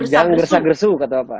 jangan gersa gersu kata bapak